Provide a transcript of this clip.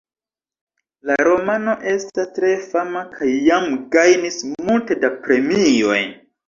La romano estas tre fama kaj jam gajnis multe da premioj.